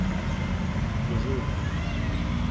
Le jaune.